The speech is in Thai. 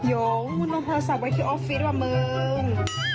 หยองมึงต้องพาสักไว้ที่ออฟฟิศด้วยมึง